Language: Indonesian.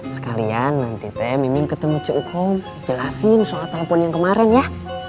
sekalian nanti teh mimin ketemu cuk kom jelasin sholat telepon yang kemarin ya